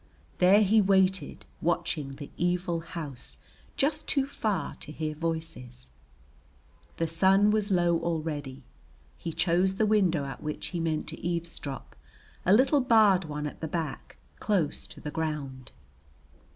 There he waited watching the evil house, just too far to hear voices. The sun was low already. He chose the window at which he meant to eavesdrop, a little barred one at the back, close to the ground.